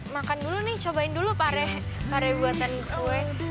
makan dulu nih cobain dulu pare buatan gue